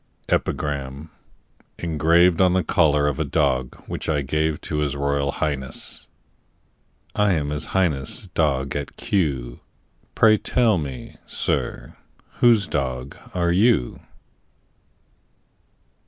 EPIGRAM, ENGRAVED ON THE COLLAR OF A DOG WHICH I GAVE TO HIS ROYAL HIGHNESS. I am His Highness' dog at Kew; Pray tell me, sir, whose dog are you?